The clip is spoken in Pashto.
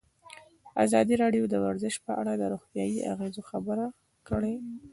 ازادي راډیو د ورزش په اړه د روغتیایي اغېزو خبره کړې.